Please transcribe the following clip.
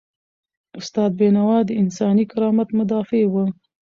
استاد بینوا د انساني کرامت مدافع و.